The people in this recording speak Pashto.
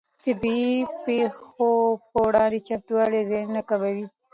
د طبیعي پېښو پر وړاندې چمتووالی زیانونه کموي.